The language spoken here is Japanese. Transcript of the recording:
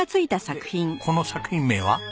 でこの作品名は？